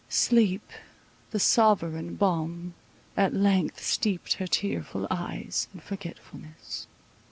Sleep, the sovereign balm, at length steeped her tearful eyes in forgetfulness.